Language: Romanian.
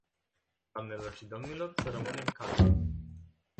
Doamnelor și domnilor, să rămânem calmi.